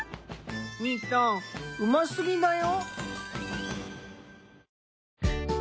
みーたんうますぎだよ。